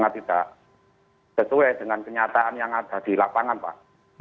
tidak sesuai dengan kenyataan yang ada di lapangan pak